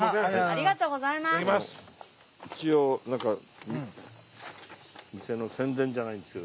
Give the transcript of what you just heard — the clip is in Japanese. ありがとうございます。